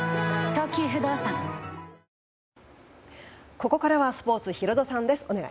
ここからはスポーツヒロドさんです。